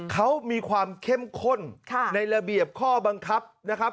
เขามีความเข้มข้นในระเบียบข้อบังคับนะครับ